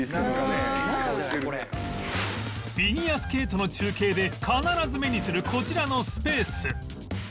フィギュアスケートの中継で必ず目にするこちらのスペース